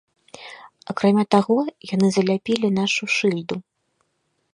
Акрамя таго яны заляпілі нашу шыльду.